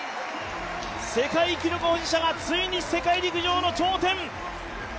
世界記録保持者がついに世界陸上の頂点。